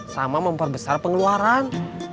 sama memperbesar pengeluaran